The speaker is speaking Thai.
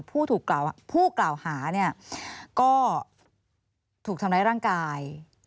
ผู้กล่าวหาเนี่ยก็ถูกทำร้ายร่างกาย